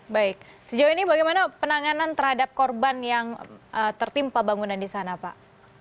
baik sejauh ini bagaimana penanganan terhadap korban yang tertimpa bangunan di sana pak